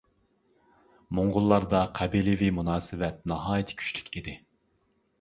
موڭغۇللاردا قەبىلىۋى مۇناسىۋەت ناھايىتى كۈچلۈك ئىدى.